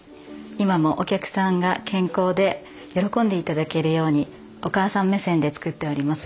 今もお客さんが健康で喜んでいただけるようにお母さん目線で作っております。